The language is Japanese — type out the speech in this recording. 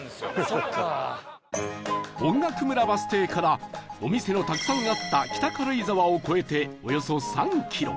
音楽村バス停からお店のたくさんあった北軽井沢を越えておよそ３キロ